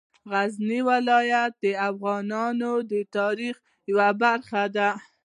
غزني ولایت د افغانانو د تاریخ یوه برخه ده.